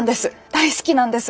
大好きなんです